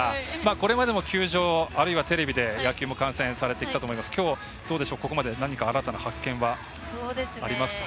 これまでも球場、テレビで野球観戦されてきたと思いますがここまでで新たな発見ありますか。